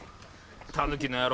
タヌキの野郎。